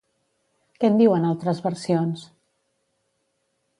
Què en diuen altres versions?